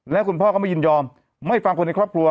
แล้วคุณพ่อก็ไม่ยินยอมไม่ฟังคนในครอบครัว